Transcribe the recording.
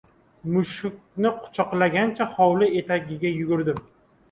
Mushukni qu- choqlagancha hovli etagiga yugurdim.